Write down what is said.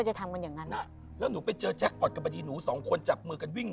จะทำกันอย่างนั้นอ่ะแล้วหนูไปเจอแจ็คพอร์ตกับพอดีหนูสองคนจับมือกันวิ่ง